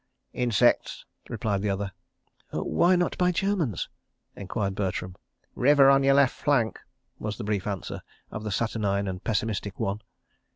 "Insects," replied the other. "Why not by Germans?" enquired Bertram. "River on your left flank," was the brief answer of the saturnine and pessimistic one.